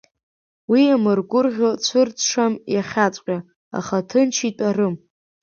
Уи иамыргәырӷьо цәырҵшам иахьаҵәҟьа, аха ҭынч итәарым…